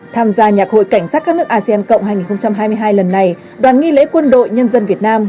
tham gia nhạc hội cảnh sát các nước asean cộng hai nghìn hai mươi hai lần này đoàn nghi lễ quân đội nhân dân việt nam